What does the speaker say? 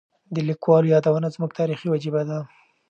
د لیکوالو یادونه زموږ تاریخي وجیبه ده.